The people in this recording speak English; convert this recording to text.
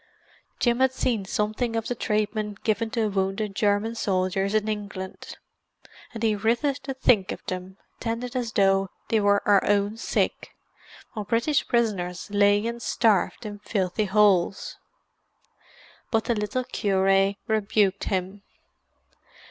Jim had seen something of the treatment given to wounded German soldiers in England, and he writhed to think of them, tended as though they were our own sick, while British prisoners lay and starved in filthy holes. But the little cure rebuked him.